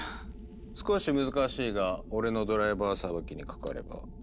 少し難しいが俺のドライバーさばきにかかれば。